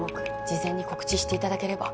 「事前に告知していただければ」